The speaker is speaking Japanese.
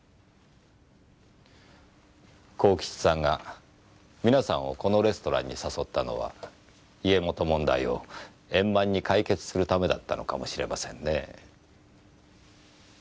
幸吉さんが皆さんをこのレストランに誘ったのは家元問題を円満に解決するためだったのかもしれませんね。